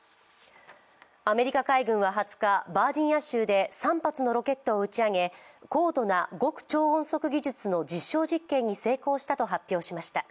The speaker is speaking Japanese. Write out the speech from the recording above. アメリカ海軍は２０日、バージニア州で３発のロケットを打ち上げ、高度な極超音速技術の実証実験に成功したと発表しました。